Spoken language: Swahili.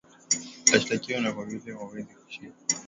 ashitakiwe na kwa vile hawezi kushatiwa hapa washitakiwe huko na hapa